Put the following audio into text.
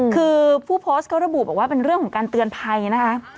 คือผู้โพสต์ก็ระบุบอกว่าเป็นเรื่องของการเตือนภัยนะคะ